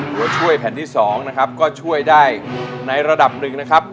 ตัวช่วยแผ่นที่๒นะครับก็ช่วยได้ในระดับหนึ่งนะครับ